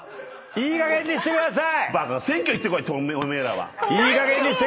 いいかげんにしてください。